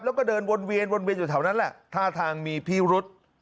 แล้วก็เดินวนเวียนวนเวียนอยู่แถวนั้นแหละท่าทางมีพิรุษ